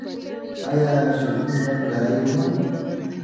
آیا شرقي ملت بری وموند؟